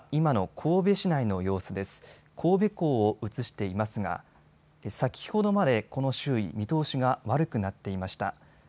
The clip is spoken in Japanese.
神戸港を映していますが先ほどまでこの周囲、見通しが悪くなっていました。